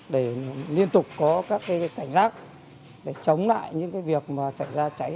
để liên tục có các cảnh giác để chống lại những việc mà xảy ra cháy